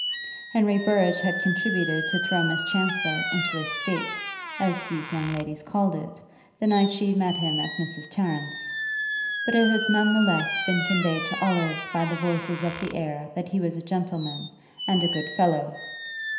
Henry Burrage had contributed to throw Miss Chancellor into a "state," as these young ladies called it, the night she met him at Mrs. Tarrant's; but it had none the less been conveyed to Olive by the voices of the air that he was a gentleman and a good fellow.